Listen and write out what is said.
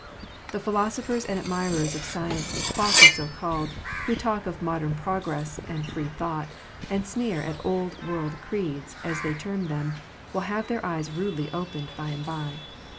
The philosophers and admirers of science, falsely so called, who talk of " modern progress " and " free thought," and sneer at " old world creeds," as they term them, will have their eyes rudely opened by and by.